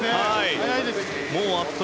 速いです。